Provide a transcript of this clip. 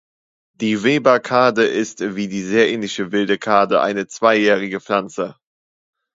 Die Weber-Karde ist, wie die sehr ähnliche Wilde Karde eine zweijährige Pflanze.